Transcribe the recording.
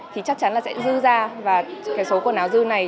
thì chắc chắn là sẽ dư ra và cái số quần áo dư này